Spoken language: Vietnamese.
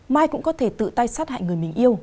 mai cũng có thể tự tay sát hại người mình yêu